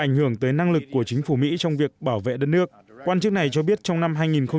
ảnh hưởng tới năng lực của chính phủ mỹ trong việc bảo vệ đất nước quan chức này cho biết trong năm